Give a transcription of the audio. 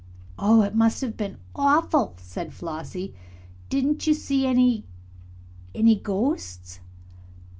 "Oh, it must have been awful," said Flossie. "Didn't you see any any ghosts?"